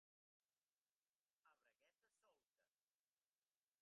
A bragueta solta.